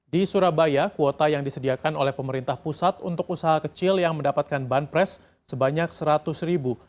di surabaya kuota yang disediakan oleh pemerintah pusat untuk usaha kecil yang mendapatkan banpres sebanyak seratus ribu